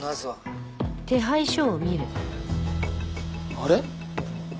あれ？